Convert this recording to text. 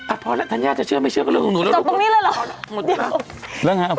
อ่ะพอแล้วทัญญาจะเชื่อไม่เชื่อก็รึงเอง